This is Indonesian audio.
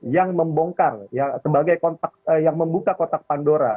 yang membongkar yang sebagai kontak yang membuka kotak pandora